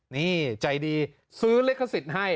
นี่ใจดีซื้อลิขสิทธิ์ให้